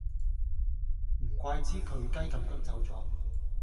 唔怪之佢雞咁腳走左